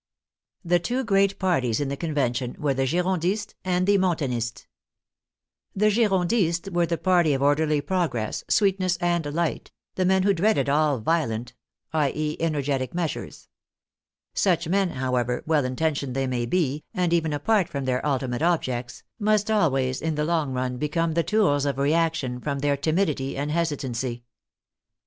The two great parties in the Convention were the Gi rondists and the Mountainists. The Girondists were the THOMAS PAINE _...,.»^ ■:t^. •■?}►, ANACHARSIS CLOOTZ THE NATIONAL CONVENTION 49 party of orderly progress, sweetness, and light, the men who dreaded all violent, i. e., energetic measures. Such men, however well intentioned they may be, and even apart from their ultimate objects, must always in the long run become the tools of reaction from their timidity and hesitancy.